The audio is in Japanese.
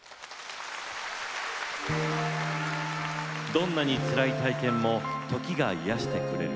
「どんなにつらい体験も時が癒やしてくれる」。